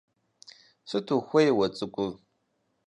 Сыт ухуей уэ цӀыкӀур?